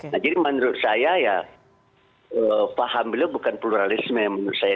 nah jadi menurut saya ya paham beliau bukan pluralisme menurut saya